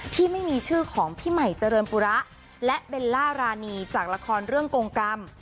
ที่ไม่มีชื่อของพี่ใหม่เจริญปุระและเบลล่ารานีจากละครเรื่องกงกรรม